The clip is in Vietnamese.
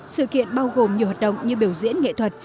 sự kiện bao gồm nhiều hoạt động như biểu diễn nghệ thuật